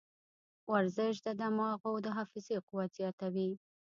ورزش د دماغو د حافظې قوت زیاتوي.